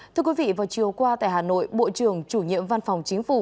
thưa quý vị vào chiều qua tại hà nội bộ trưởng chủ nhiệm văn phòng chính phủ